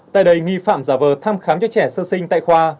tại đây nghi phạm giả vờ thăm khám cho trẻ sơ sinh tại khoa